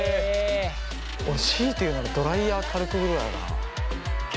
俺強いて言うならドライヤー軽くぐらいかなあ。